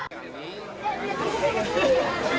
baik baik kemana